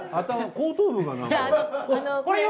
後頭部がなんか。